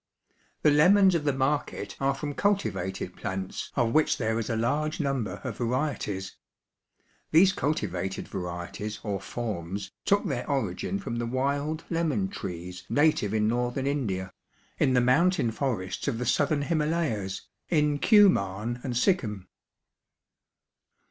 The lemons of the market are from cultivated plants of which there is a large number of varieties. These cultivated varieties or forms took their origin from the wild lemon trees native in northern India, in the mountain forests of the southern Himalayas, in Kumoan, and Sikkim.